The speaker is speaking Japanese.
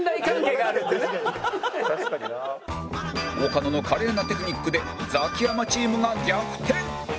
岡野の華麗なテクニックでザキヤマチームが逆転！